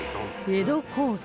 江戸後期